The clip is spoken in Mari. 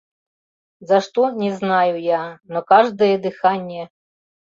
За что — не знаю я: но каждое дыхание